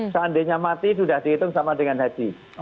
seandainya mati sudah dihitung sama dengan haji